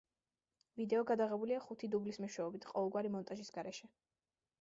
ვიდეო გადაღებულია ხუთი დუბლის მეშვეობით, ყოველგვარი მონტაჟის გარეშე.